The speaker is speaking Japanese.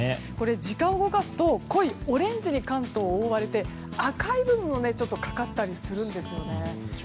時間を動かすと関東は濃いオレンジに覆われて赤い部分も、ちょっとかかったりするんですね。